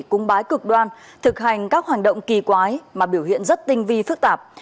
cung bái cực đoan thực hành các hoành động kỳ quái mà biểu hiện rất tinh vi phức tạp